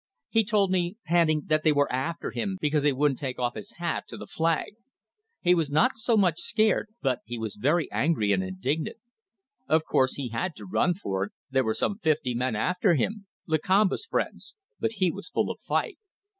He told me, panting, that they were after him because he wouldn't take off his hat to the flag. He was not so much scared, but he was very angry and indignant. Of course he had to run for it; there were some fifty men after him Lakamba's friends but he was full of fight.